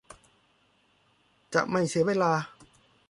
จะไม่เสียเวลา